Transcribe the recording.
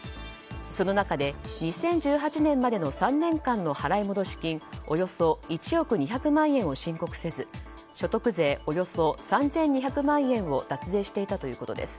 その中で２０１８年までの３年間の払戻金およそ１億２００万円を申告せず所得税およそ３２００万円を脱税していたということです。